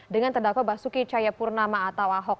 dengan terdakwa basuki cayapurnama atau ahok